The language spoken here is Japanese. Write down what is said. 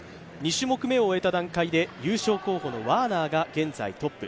２種目めを終えた段階で、優勝候補のワーナーが現在トップ。